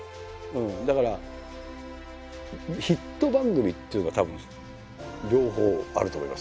だからヒット番組っていうのはたぶん両方あると思いますね。